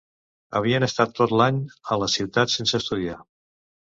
Havien estat tot l’any a la ciutat sense estudiar.